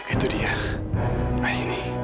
itu dia seeingi